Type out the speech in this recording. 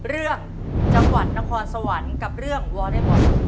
เรื่องจังหวัดนครสวรรค์กับเรื่องวอเล็กบอล